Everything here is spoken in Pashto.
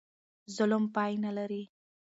ظلم پای نه لري.